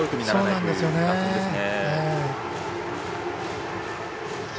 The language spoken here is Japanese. そうなんですよね。